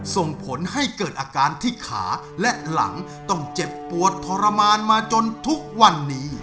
ส่งผลให้เกิดอาการที่ขาและหลังต้องเจ็บปวดทรมานมาจนทุกวันนี้